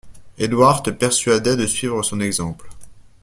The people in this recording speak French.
Édouard te persuadait de suivre son exemple.